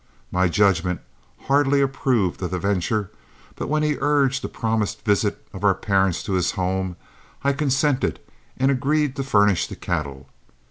My judgment hardly approved of the venture, but when he urged a promised visit of our parents to his home, I consented and agreed to furnish the cattle.